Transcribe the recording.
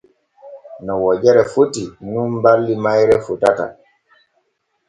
No wojere foti nun balli mayre fotata.